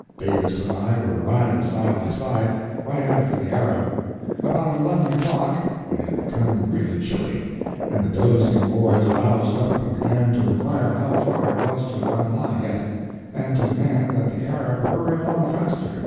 Davis and I were riding side by side, right after the Arab. About 11 o'clock it had become really chilly, and the dozing boys roused up and began to inquire how far it was to Ramlah yet, and to demand that the Arab hurry along faster.